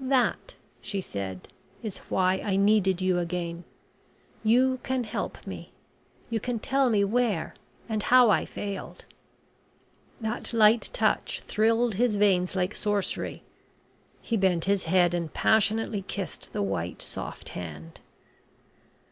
"That," she said, "is why I needed you again. You can help me you can tell me where and how I failed." That light touch thrilled his veins like sorcery. He bent his head and passionately kissed the white, soft hand.